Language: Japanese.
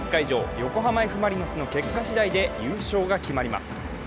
横浜Ｆ・マリノスの結果次第で優勝が決まります。